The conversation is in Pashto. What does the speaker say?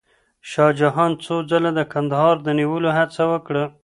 شاه جهان څو ځله د کندهار د نیولو هڅه وکړه.